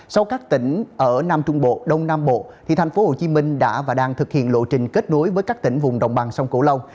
sau các tỉnh ở nam trung bộ đông nam bộ tp hcm đã và đang thực hiện lộ trình kết nối với các tỉnh vùng đồng bằng sông cửu long